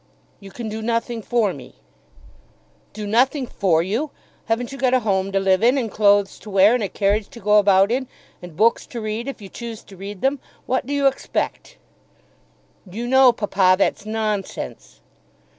"You can do nothing for me." "Do nothing for you! Haven't you got a home to live in, and clothes to wear, and a carriage to go about in, and books to read if you choose to read them? What do you expect?" "You know, papa, that's nonsense."